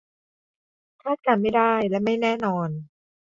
คาดการณ์ไม่ได้และไม่แน่นอน